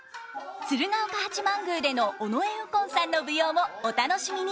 鶴岡八幡宮での尾上右近さんの舞踊をお楽しみに。